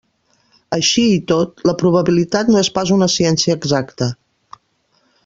Així i tot, la probabilitat no és pas una ciència exacta.